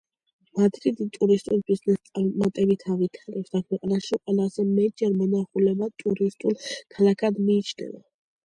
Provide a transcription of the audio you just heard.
მადრიდი ტურისტულ ბიზნესს წარმატებით ავითარებს და ქვეყანაში ყველაზე მეტჯერ მონახულებად ტურისტულ ქალაქად მიიჩნევა.